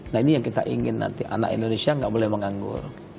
nah ini yang kita ingin nanti anak indonesia nggak boleh menganggur